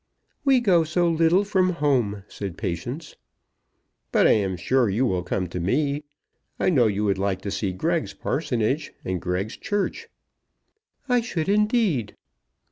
"We go so little from home," said Patience. "But I am sure you will come to me. I know you would like to see Greg's parsonage and Greg's church." "I should indeed."